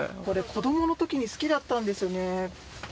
これ、子どもの時に好きだったんですよね。